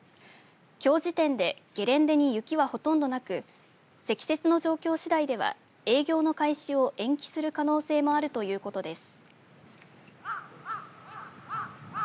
きょう時点でゲレンデに雪はほとんどなく積雪の状況しだいでは営業の開始を延期する可能性もあるということです。